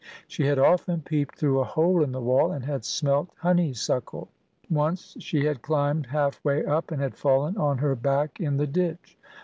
She had often peeped through a hole in the wall, and had smelt honeysuckle. Once she had climbed half way up, and had fallen on her back in the ditch.